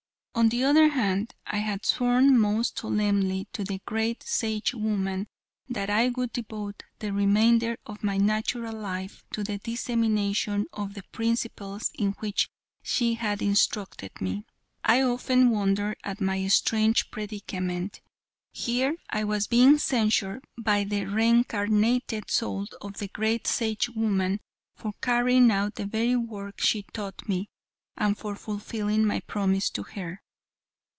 On the other hand, I had sworn most solemnly to the great Sagewoman that I would devote the remainder of my natural life to the dissemination of the principles in which she had instructed me. I often wondered at my strange predicament. Here I was being censured by the reincarnated soul of the great Sage woman for carrying out the very work she taught me, and for fulfilling my promise to her.